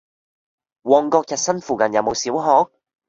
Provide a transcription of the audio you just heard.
旺角逸新附近有無小學？